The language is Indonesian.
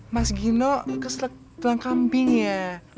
mas gino keselek tulang kambing ya